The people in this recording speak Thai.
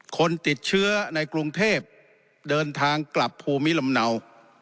คนติดเชื้อในกรุงเทพเดินทางกลับภูมิลำเนา